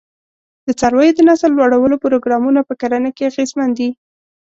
د څارویو د نسل لوړولو پروګرامونه په کرنه کې اغېزمن دي.